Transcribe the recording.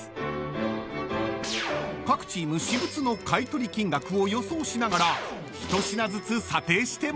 ［各チーム私物の買い取り金額を予想しながら１品ずつ査定してもらいます］